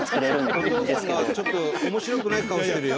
お父さんがちょっと面白くない顔してるよ。